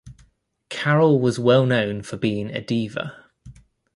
Carol was well-known for being a diva.